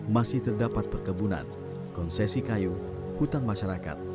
masih terdapat perkebunan konsesi kayu hutan masyarakat